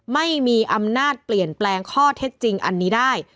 ไม่มีอำนาจเปลี่ยนแปลงข้อเท็จจริงอันนี้ได้